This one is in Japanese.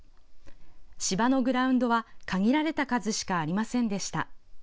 芝のグラウンドは限られた数しかありませんでした。